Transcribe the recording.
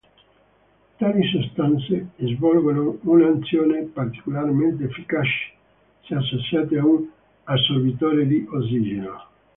Tali sostanze svolgono un'azione particolarmente efficace se associate a un assorbitore di ossigeno.